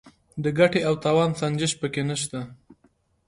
د ګټې او تاوان سنجش پکې نشته.